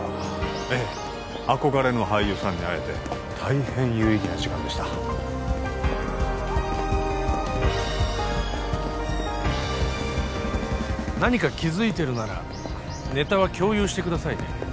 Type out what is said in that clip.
ええ憧れの俳優さんに会えて大変有意義な時間でした何か気づいてるならネタは共有してくださいね